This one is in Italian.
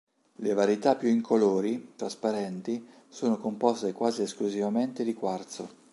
Le varietà più incolori, trasparenti, sono composte quasi esclusivamente di quarzo.